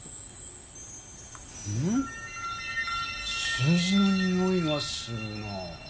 数字のにおいがするな。